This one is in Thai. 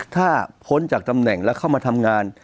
ถ้าพ้นจากตำแหน่งแล้วเข้ามาทำงาน